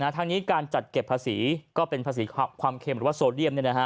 ทางนี้การจัดเก็บภาษีก็เป็นภาษีความเค็มหรือว่าโซเดียม